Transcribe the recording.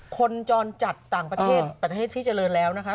คนจรจัดต่างประเทศประเทศที่เจริญแล้วนะคะ